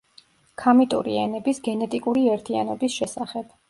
ქამიტური ენების გენეტიკური ერთიანობის შესახებ.